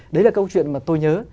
đấy là câu chuyện mà tôi nhớ